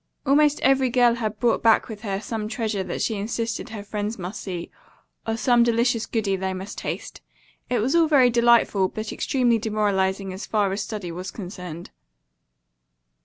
Almost every girl had brought back with her some treasure that she insisted her friends must see, or some delicious goody they must taste. It was all very delightful, but extremely demoralizing as far as study was concerned.